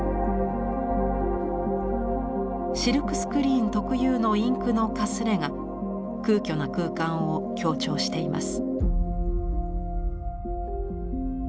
シルクスクリーン特有のインクのかすれが空虚な空間を強調しています。